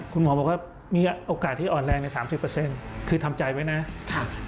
คุณหมอบอกว่ามีโอกาสที่อ่อนแรงใน๓๐คือทำใจไว้นะ